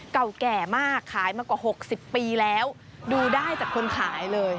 เก่าแก่มากขายมากว่า๖๐ปีแล้วดูได้จากคนขายเลย